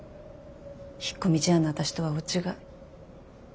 引っ込み思案な私とは大違い。